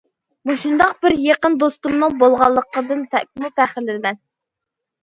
مۇشۇنداق بىر يېقىن دوستۇمنىڭ بولغانلىقىدىن بەكمۇ پەخىرلىنىمەن.